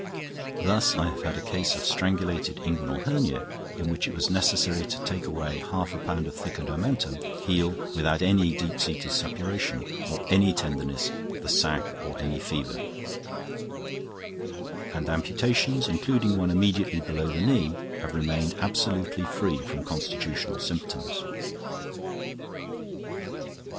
Thus I have had a case of strangulated inguinal hernia in which it was necessary to take away half a pound of thickened omentum, heal without any deep seated suppuration or any tenderness of the sac or any fever; and amputations, including one immediately below the knee, have remained absolutely free from constitutional symptoms.